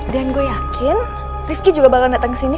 dan gue yakin rifki juga bakalan dateng kesini